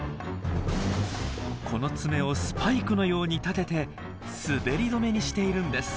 この爪をスパイクのように立てて滑り止めにしているんです。